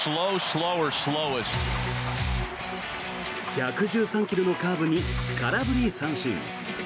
１１３ｋｍのカーブに空振り三振。